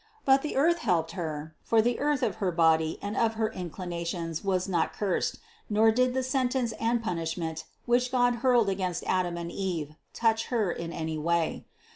But the earth helped Her; for the earth of her body and of her inclinations was not cursed, nor did the sentence and punishment, which God hurled against Adam and Eve, touch Her in any way.